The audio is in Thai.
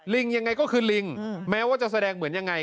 ยังไงก็คือลิงแม้ว่าจะแสดงเหมือนยังไง